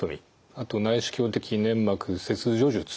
あと内視鏡的粘膜切除術。